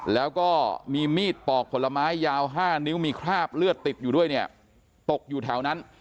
แล้วก็มีมีดปอกผลไม้ยาว๕นิ้วมีคราบเลือดติดอยู่ด้วยเนี่ยตกอยู่แถวนั้น